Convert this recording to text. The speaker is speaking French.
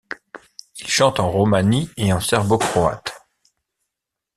Il chante en romani et en serbo-croate.